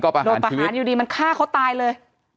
ประโดนประหารอยู่ดีมันฆ่าเขาตายเลย